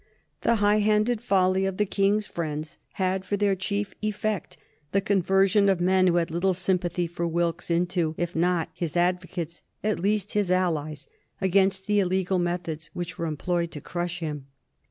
The high handed folly of the King's friends had for their chief effect the conversion of men who had little sympathy for Wilkes into, if not his advocates, at least his allies against the illegal methods which were employed to crush him.